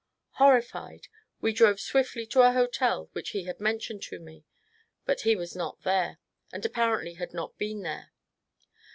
Horrified, we drove swiftly to a hotel which he had men tioned to me, but he was not there, and apparently had not been there.